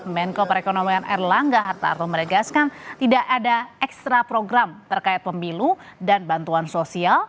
menko perekonomian erlangga hartarto meregaskan tidak ada ekstra program terkait pemilu dan bantuan sosial